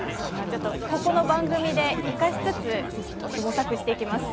ここの番組で生かしつつ、模索していきます。